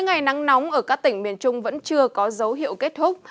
ngày nắng nóng ở các tỉnh miền trung vẫn chưa có dấu hiệu kết thúc